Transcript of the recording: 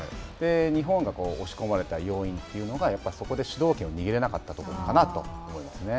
日本が押し込まれた要因というのがやっぱりそこで主導権を握れなかったところかなと思いますよね。